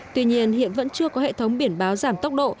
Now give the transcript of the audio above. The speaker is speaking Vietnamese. tuy nhiên hiện vẫn chưa có hệ thống biển báo giảm tốc độ